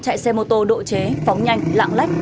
chạy xe mô tô độ chế phóng nhanh lạng lách